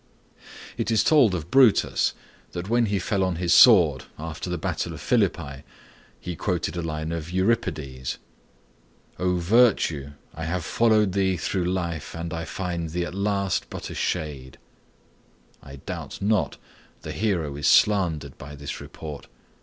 It is told of Brutus, that when he fell on his sword after the battle of Philippi, he quoted a line of Euripides,—"O Virtue! I have followed thee through life, and I find thee at last but a shade." I doubt not the hero is slandered by this report.